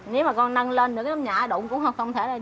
nếu mà con nâng lên được cái nấm nhà đụng cũng không thể được